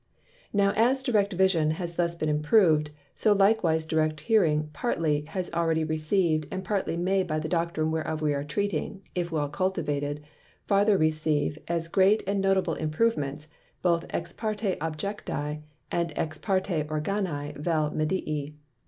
Now as Direct Vision has thus been improved, so likewise Direct Hearing partly has already receiv'd, and partly may by the Doctrine whereof we are treating, (if well cultivated) farther receive as great and notable Improvements, both ex parte Objecti, and ex parte Organi vel Medii.